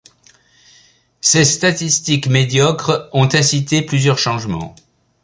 Ces statistiques médiocres ont incité plusieurs changements.